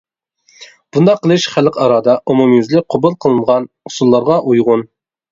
بۇنداق قىلىش خەلقئارادا ئومۇميۈزلۈك قوبۇل قىلىنغان ئۇسۇللارغا ئۇيغۇن.